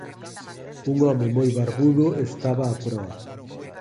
Un home moi barbudo estaba á proa.